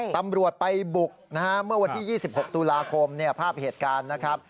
ตำรวจไปบุกนะฮะเมื่อวันที่๒๖ตุลาคมภาพเหตุการณ์นะครับ